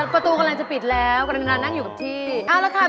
เป็นแอร์ฮอตเตท